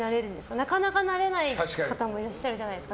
なかなかなれない方もいらっしゃるじゃないですか。